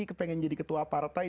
saya pengen jadi ketua partai